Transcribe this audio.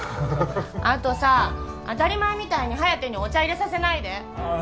あとさ当たり前みたいに颯にお茶入れさせないでああ